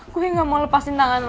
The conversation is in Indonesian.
gue gak mau lepasin tangan